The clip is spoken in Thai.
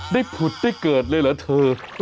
ผุดได้เกิดเลยเหรอเธอ